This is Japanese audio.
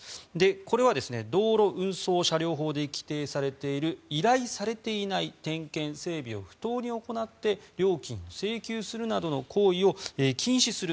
これは道路運送車両法で規定されている依頼されていない点検・整備を不当に行って料金を請求するなどの行為を禁止する。